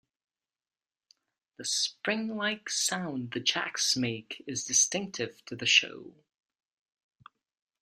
The spring-like sound the jacks make is distinctive to the show.